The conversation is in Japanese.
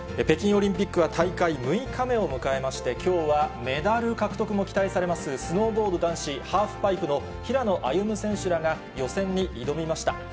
北京オリンピックは大会６日目を迎えまして、きょうはメダル獲得も期待されます、スノーボード男子ハーフパイプの平野歩夢選手らが予選に挑みました。